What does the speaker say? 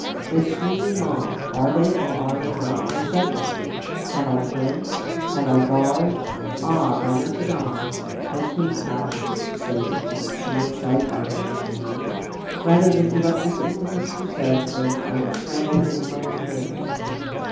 This screaming mob, are they, or are they not, my subjects? Have I friends? Have I guards? Ah! by Notre Dame! as Queen Catherine used to say," continued she, excited by her own words, "rather than give up this infamous Broussel to them I will strangle him with my own hands!"